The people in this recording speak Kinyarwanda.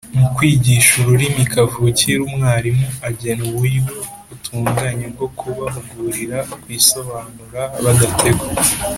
Mu kwigisha ururimi kavukire, umwarimu agena uburyo butunganye bwo kubahugurira kwisobanura badategwa